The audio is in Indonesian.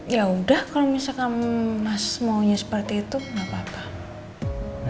yaudah kalau misalkan mas maunya seperti itu gak apa apa